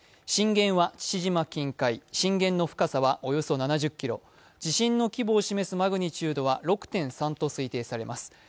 震源は父島近海、震源の深さはおよそ７０ｋｍ、地震の規模を示すマグニチュードは６．３と推定されます。